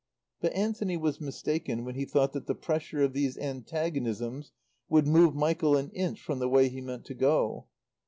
But Anthony was mistaken when he thought that the pressure of these antagonisms would move Michael an inch from the way he meant to go.